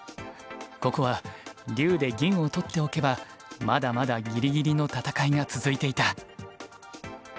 ここは竜で銀を取っておけばまだまだギリギリの戦いが続いていた。